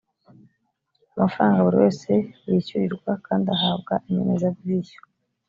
amafaranga buri wese yishyurirwa kandi ahabwa inyemezabwishyu